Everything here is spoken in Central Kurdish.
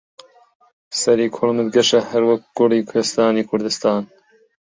سەری کوڵمت گەشە هەروەک گوڵی کوێستانی کوردستان